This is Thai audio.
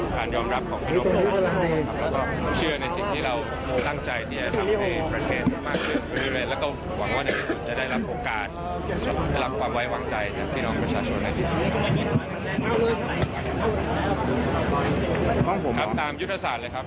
ครับตามยุฒิษฐศาสตร์เลยครับ